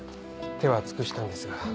手は尽くしたんですが。